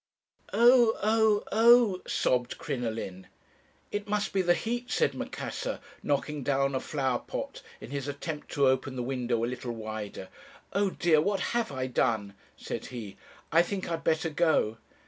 "'Oh! oh! oh!' sobbed Crinoline. "'It must be the heat,' said Macassar, knocking down a flower pot in his attempt to open the window a little wider. 'O dear, what have I done?' said he. 'I think I'd better go.'